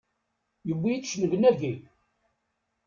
Yewwi-yi-d cennegnagi!